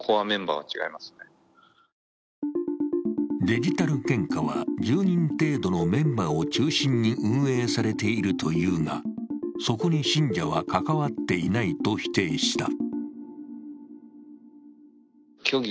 デジタル献花は１０人程度のメンバーを中心に運営されているというがそこに信者は関わっていないと否定した。